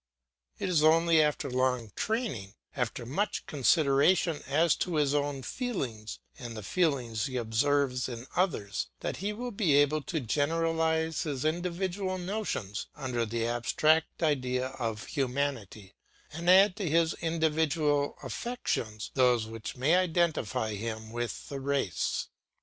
It is only after long training, after much consideration as to his own feelings and the feelings he observes in others, that he will be able to generalise his individual notions under the abstract idea of humanity, and add to his individual affections those which may identify him with the race.